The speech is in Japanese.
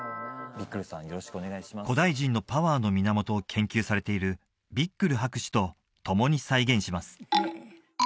古代人のパワーの源を研究されているビックル博士と共に再現します